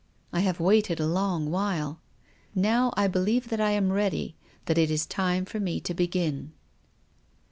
I have waited a long while. Now I believe that I am ready, that it is time for me to begin."